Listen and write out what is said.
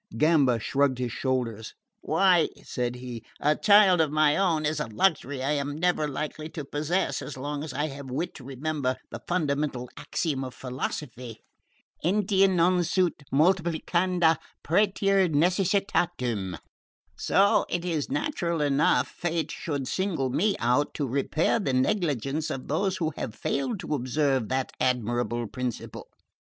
Gamba shrugged his shoulders. "Why," said he, "a child of my own is a luxury I am never likely to possess as long as I have wit to remember the fundamental axiom of philosophy: entia non sunt multiplicanda praeter necessitatum; so it is natural enough fate should single me out to repair the negligence of those who have failed to observe that admirable principle.